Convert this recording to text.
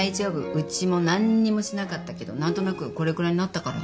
うちも何にもしなかったけど何となくこれくらいになったから。